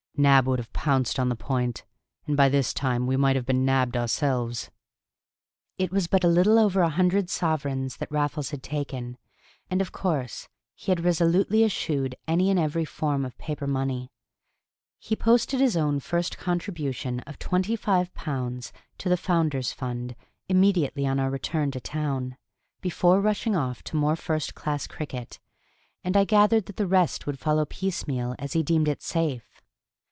Nab would have pounced on the point, and by this time we might have been nabbed ourselves." It was but a little over a hundred sovereigns that Raffles had taken, and, of course, he had resolutely eschewed any and every form of paper money. He posted his own first contribution of twenty five pounds to the Founder's Fund immediately on our return to town, before rushing off to more first class cricket, and I gathered that the rest would follow piecemeal as he deemed it safe.